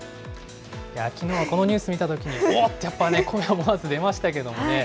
きのうはこのニュース見たときに、おっと、やっぱり声が思わず出ましたけれどもね。